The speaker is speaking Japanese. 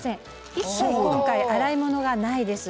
一切今回洗い物がないです。